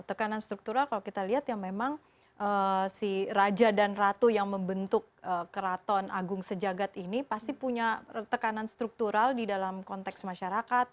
tekanan struktural kalau kita lihat ya memang si raja dan ratu yang membentuk keraton agung sejagat ini pasti punya tekanan struktural di dalam konteks masyarakat